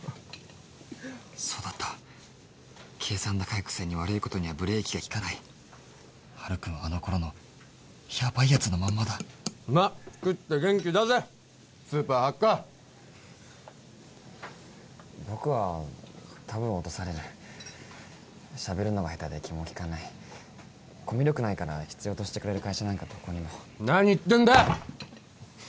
そうだった計算高いくせに悪いことにはブレーキがきかないハル君はあの頃のヤバいやつのまんまだまっ食って元気出せスーパーハッカー僕はたぶん落とされるしゃべるのが下手で気も利かないコミュ力ないから必要としてくれる会社なんかどこにも何言ってんだ！